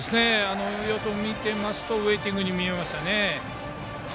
様子を見ていますとウェイティングに見えました。